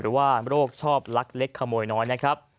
หรือว่าโรคชอบลักเล็กขโมยน้อยนะครับ